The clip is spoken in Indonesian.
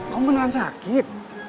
kamu beneran sakit